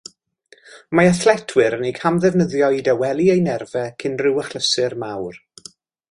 Mae athletwyr yn eu camddefnyddio i dawelu eu nerfau cyn rhyw achlysur mawr